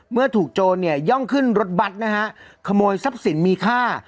เมื่อถูกโจรเนี่ยย่องขึ้นรถบัตรนะฮะขโมยทรัพย์สินมีค่า